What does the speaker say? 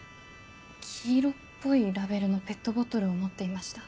黄色っぽいラベルのペットボトルを持っていました。